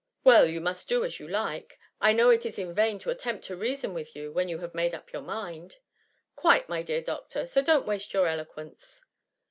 ^^ Well, you must do as you like* I know it is in vain to attempt to reason with you when you have made up your mind.^ *^ Quite, my dear doctor, so don'^t waste your eloquence.